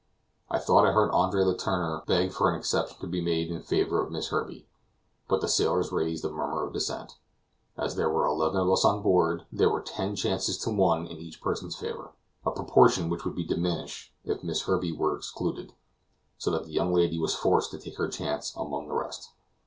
I thought I heard Andre Letourneur beg for an exception to be made in favor of Miss Herbey; but the sailors raised a murmur of dissent. As there were eleven of us on board, there were ten chances to one in each one's favor a proportion which would be diminished if Miss Herbey were excluded; so that the young lady was forced to take her chance among the rest.